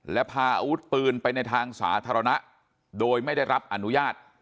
และพาอาวุธปืนไปในทางสาธารณะโดยไม่ได้รับอนุญาต